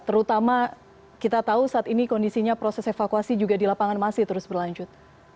terutama kita tahu saat ini kondisinya proses evakuasi juga di lapangan masih terus berlanjut